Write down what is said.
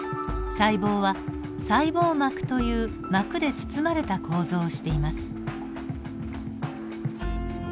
細胞は細胞膜という膜で包まれた構造をしています。